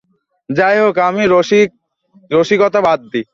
যাইহোক আমি রসিকতা বাদ দিই।